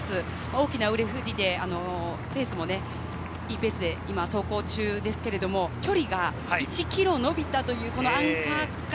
大きな腕ふりでペースもいいペースで今、走行中ですけれど、距離が１ｋｍ伸びたというアンカー区間。